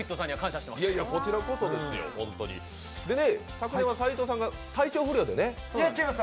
昨年は斉藤さんが、体調不良でね。